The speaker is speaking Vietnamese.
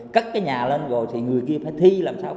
cắt cái nhà lên rồi thì người kia phải thi làm sao